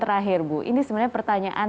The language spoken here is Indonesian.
terakhir bu ini sebenarnya pertanyaan